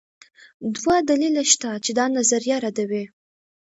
دوه دلایل شته چې دا نظریه ردوي